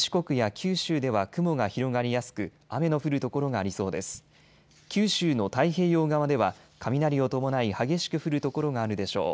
九州の太平洋側では雷を伴い激しく降る所があるでしょう。